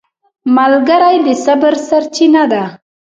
ملګری د صبر سرچینه ده